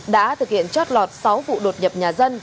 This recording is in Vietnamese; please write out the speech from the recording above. đã thực hiện chót lọt sáu vụ đột nhập nhà dân